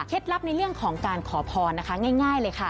ลับในเรื่องของการขอพรนะคะง่ายเลยค่ะ